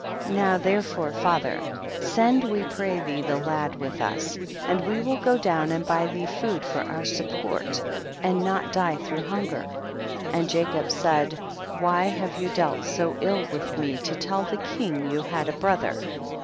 18. Now therefore, father, send we pray thee the lad with us, and we will go down and buy thee food for our support, and not die through hun ger ; and Jacob said, why have you dealt so ill with me to tell the king you had a brother